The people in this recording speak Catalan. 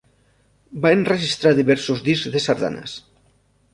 Va enregistrar diversos discs de sardanes.